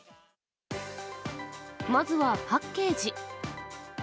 まずはパッケージ。